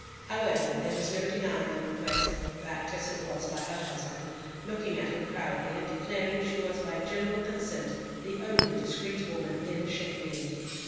However, there was no denying the request, backed as it was by her husband, looking at her proudly, and declaring she was by general consent the only discreet woman in Sheffield.